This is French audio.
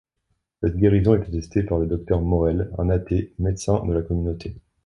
Cette guérison est attestée par le docteur Morell, un athée médecin de la communauté.